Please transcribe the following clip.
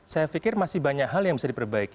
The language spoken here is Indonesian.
saya pikir masih banyak hal yang bisa diperbaiki